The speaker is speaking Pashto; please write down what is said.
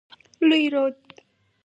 لوی رود.